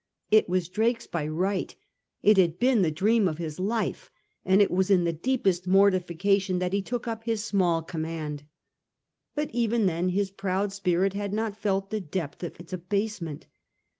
It was Drake's by right ; it had been the dream of his life, and it was in the deepest mortification that he took up his small command. But even then his proud spirit had not felt the depth of its abasement.